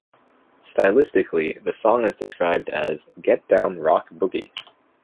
Stylistically, the song is described as "get-down rock boogie".